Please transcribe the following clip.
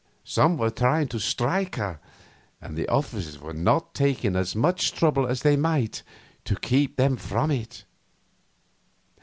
Some were trying to strike her, and the officers were not taking as much trouble as they might to keep them from it.